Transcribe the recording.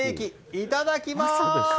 いただきます！